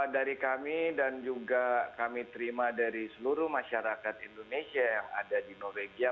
dari kami dan juga kami terima dari seluruh masyarakat indonesia yang ada di norwegia